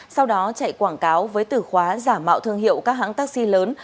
sau đó chạy quảng cáo với từ khóa giả mạo thương hiệu các hãng taxi lớn